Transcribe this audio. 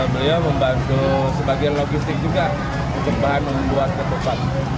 beliau membantu sebagian logistik juga untuk bahan membuat ketupat